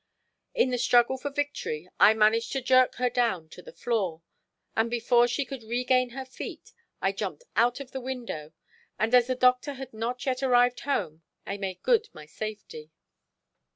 In the struggle for victory I managed to jerk her down to the floor, and before she could regain her feet I jumped out of the window; and as the Doctor had not yet arrived home I made good my safety.